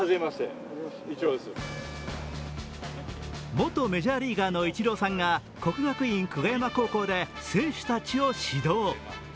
元メジャーリーガーのイチローさんが国学院久我山高校で選手たちを指導。